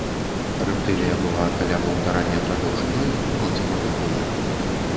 Рэптылія была каля паўтара метра даўжынёй, бронзавага колеру.